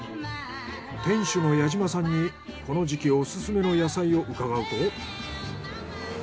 店主の矢島さんにこの時期オススメの野菜を伺うと。